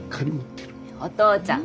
お父ちゃん